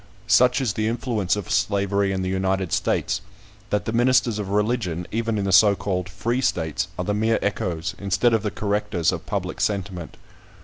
Such is the influence of slavery in the United States, that the ministers of religion, even in the so called free states, are the mere echoes, instead of the correctors, of public sentiment.